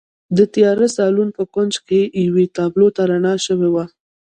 د تیاره سالون په کونج کې یوې تابلو ته رڼا شوې وه